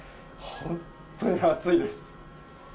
本当に暑いです。